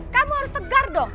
kamu harus tegar dong